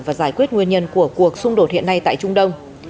và giải quyết nguyên nhân của cuộc xung đột hiện nay tại trung đông